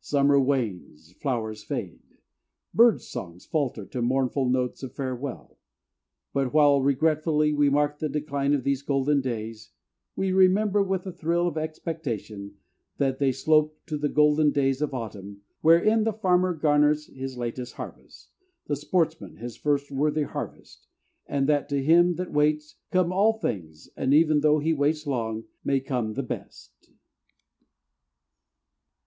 Summer wanes, flowers fade, bird songs falter to mournful notes of farewell; but while regretfully we mark the decline of these golden days, we remember with a thrill of expectation that they slope to the golden days of autumn, wherein the farmer garners his latest harvest, the sportsman his first worthy harvest, and that to him that waits, come all things, and even though he waits long, may come the best.